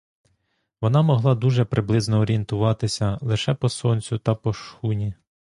Вона могла дуже приблизно орієнтуватися лише по сонцю та по шхуні.